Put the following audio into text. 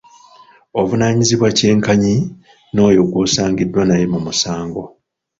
Ovunanibwa kye nkanyi n’oyo gw’osangiddwa naye mu musango.